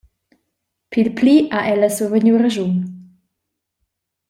Pil pli ha ella survegniu raschun.